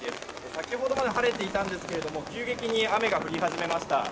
先ほどまで晴れていたんですが急激に雨が降り始めました。